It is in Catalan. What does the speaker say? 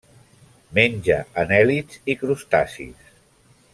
Menja anèl·lids i crustacis.